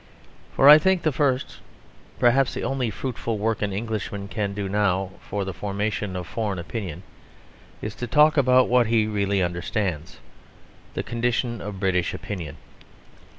For I think the first, perhaps the only, fruitful work an Englishman can do now for the formation of foreign opinion is to talk about what he really understands, the condition of British opinion.